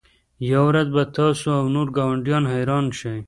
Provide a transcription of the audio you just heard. یوه ورځ به تاسو او نور ګاونډیان حیران شئ